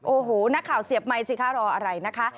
โอ้โหนักข่าวเสียบไมค์สิคะรออะไรนะคะ